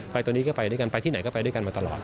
ตัวนี้ก็ไปด้วยกันไปที่ไหนก็ไปด้วยกันมาตลอด